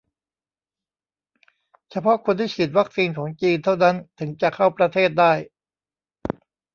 เฉพาะคนที่ฉีดวัคซีนของจีนเท่านั้นถึงจะเข้าประเทศได้